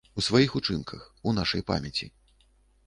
У сваіх учынках, у нашай памяці.